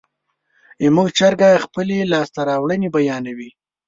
زموږ چرګه خپلې لاسته راوړنې بیانوي.